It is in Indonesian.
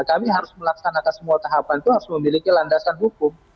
kami harus melaksanakan semua tahapan itu harus memiliki landasan hukum